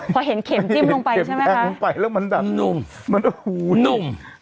พอเห็นเข็มจิ้มลงไปใช่ไหมคะนุ่มนุ่ม